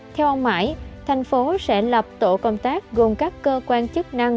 theo ông mãi tp hcm sẽ lập tổ công tác gồm các cơ quan chức năng